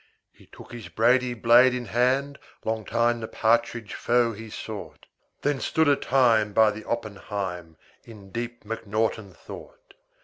He took his brady blade in hand; Long time the partridge foe he sought. Then stood a time by the oppenheim In deep mcnaughton thought.